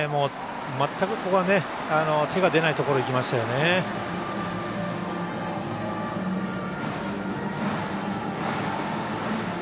全く手が出ないところいきましたよね。